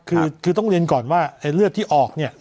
คือต้องเรียนก่อนว่าเรือที่ออก